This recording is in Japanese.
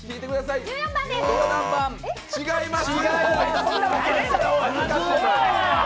違います。